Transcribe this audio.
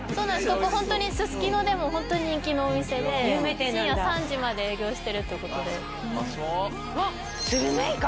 ここホントにすすきのでもホントに人気のお店で深夜３時まで営業してるということでうまそううわっスルメイカ？